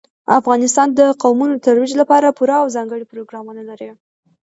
افغانستان د قومونه د ترویج لپاره پوره او ځانګړي پروګرامونه لري.